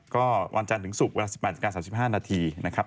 ก็วันจานถึงศุกร์วัน๑๘๓๕นาทีนะครับ